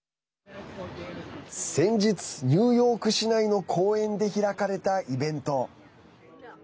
先日、ニューヨーク市内の公園で開かれたイベント